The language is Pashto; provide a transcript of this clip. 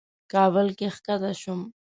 کابل کې کښته شوم.